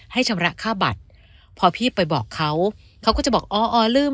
ชำระค่าบัตรพอพี่ไปบอกเขาเขาก็จะบอกอ๋อลืม